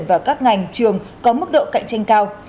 và các ngành trường có mức độ cạnh tranh cao